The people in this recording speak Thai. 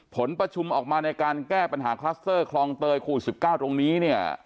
ผลประชุมออกมาในการแก้ปัญหาคลัสเตอร์คลองเตยโควิด๑๙ตรงนี้เนี่ย